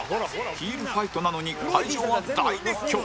ヒールファイトなのに会場は大熱狂